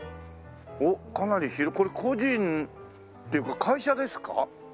おっかなり広いこれ個人っていうか会社ですか？